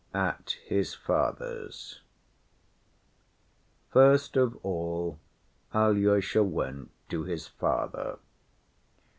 At His Father's First of all, Alyosha went to his father.